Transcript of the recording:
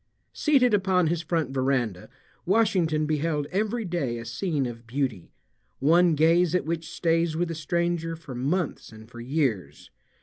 Seated upon his front veranda, Washington beheld every day a scene of beauty, one gaze at which stays with a stranger for months and for years.